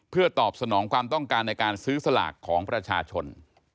เพื่อตอบสนองความต้องการในการซื้อสลากของประชาชน